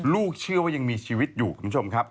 เชื่อว่ายังมีชีวิตอยู่คุณผู้ชมครับ